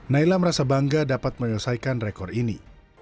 naila merasa bangga dapat menyelesaikan rekor ini